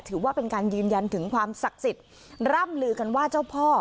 ถือว่าเป็นการยืนยันถึงความศักดิ์สิทธิ์ร่ำลือกันว่าเจ้าพ่อ